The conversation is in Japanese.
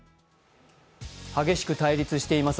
激しく対立しています